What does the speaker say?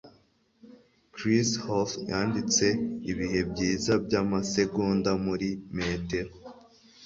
Chris Hough yanditse ibihe byiza byamasegonda , muri metero .